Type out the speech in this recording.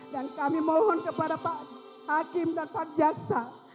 dan kami mohon kepada pak hakim dan pak jaksa